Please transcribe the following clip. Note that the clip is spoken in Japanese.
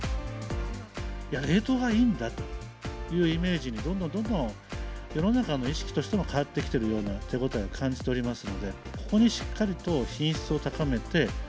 冷凍がいいんだというイメージにどんどんどんどん、世の中の一色としても変わってきてるような手応えを感じておりますので、ここでしっかりと品質を高めて。